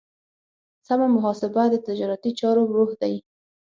سمه محاسبه د تجارتي چارو روح دی.